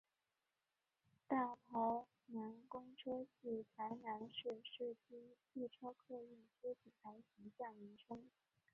大台南公车系台南市市区汽车客运之品牌形象名称。